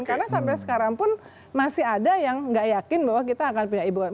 karena sampai sekarang pun masih ada yang nggak yakin bahwa kita akan pindah ibu kota